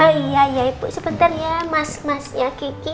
iya ibu sebentar ya mas mas ya kiki